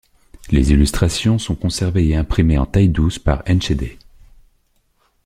Les illustrations sont conservées et imprimées en taille-douce par Enschedé.